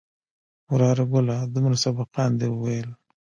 وراره گله دومره سبقان دې وويل.